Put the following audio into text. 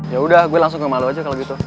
ya udah gue langsung kemalu aja kalau gitu